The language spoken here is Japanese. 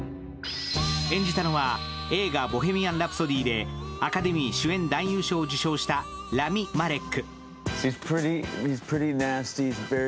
演じたのは、映画「ボヘミアン・ラプソディ」でアカデミー賞主演男優賞を受賞したラミ・マレック。